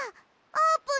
あーぷん？